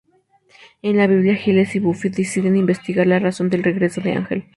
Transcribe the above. En la biblioteca, Giles y Buffy deciden investigar la razón del regreso de Ángel.